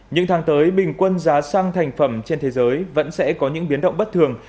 những tháng tới bình quân giá xăng thành phẩm trên thế giới vẫn sẽ có những biến động bất thường